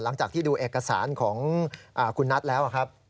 หลังจากที่ดูเอกสารของคุณนัทแล้วครับ